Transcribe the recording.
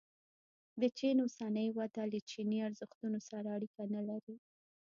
د چین اوسنۍ وده له چیني ارزښتونو سره اړیکه نه لري.